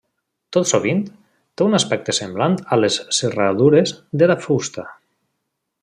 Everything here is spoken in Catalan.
Tot sovint, té un aspecte semblant a les serradures de la fusta.